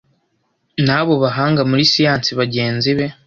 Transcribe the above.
n'abo bahanga muri siyansi bagenzi be